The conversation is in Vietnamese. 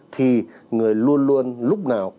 thì người luôn luôn lúc nào